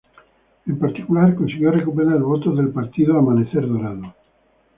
En particular, consiguió recuperar votos del partido Amanecer Dorado.